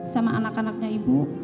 sama anak anaknya ibu